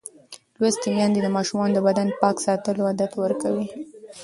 لوستې میندې د ماشومانو د بدن پاک ساتلو عادت ورکوي.